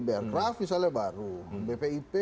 brgraf misalnya baru bpip